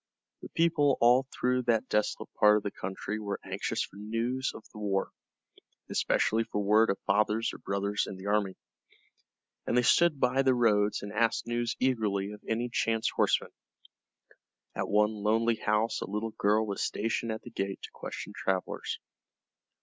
The people all through that desolate part of the country were anxious for news of the war, especially for word of fathers or brothers in the army, and they stood by the roads and asked news eagerly of any chance horseman. At one lonely house a little girl was stationed at the gate to question travelers.